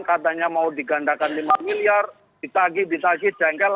katanya mau digandakan lima miliar ditagi ditagih jengkel